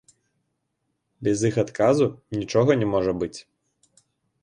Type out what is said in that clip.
Без іх адказу нічога не можа быць.